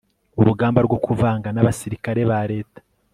urugamba rwo kuvanga n'abasirikare ba leta